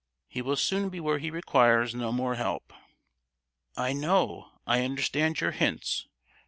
"He will soon be where he requires no more help!" "I know, I understand your hints."